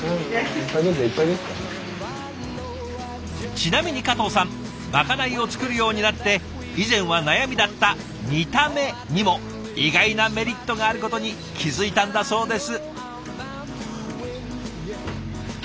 ちなみに加藤さんまかないを作るようになって以前は悩みだった「見た目」にも意外なメリットがあることに気付いたんだそうです。